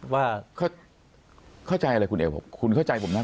ว่าเข้าใจอะไรคุณเอกพบคุณเข้าใจผมนะ